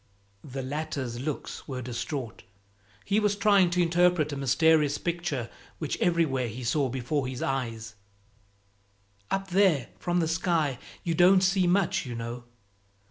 The latter's looks were distraught; he was trying to interpret a mysterious picture which everywhere he saw before his eyes "Up there, from the sky, you don't see much, you know.